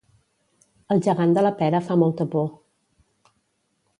El gegant de la Pera fa molta por